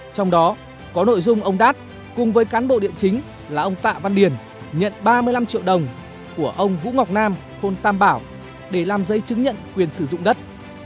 trong đó có nội dung ông đát cùng với cán bộ địa chính là ông tạ văn điền nhận ba mươi năm triệu đồng của ông vũ ngọc nam thôn tam bảo để làm giấy chứng nhận quyền sử dụng đất